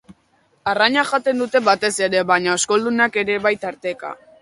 Arraina jaten dute batez ere, baina oskoldunak ere bai tarteka.